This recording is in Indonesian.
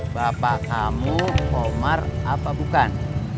bapak kamu komar apa bukan